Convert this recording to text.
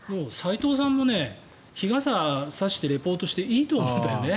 齋藤さんも日傘を差してリポートしてもいいと思うんだよね。